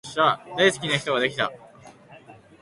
大好きな人ができた